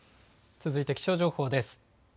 続いて気象情報です。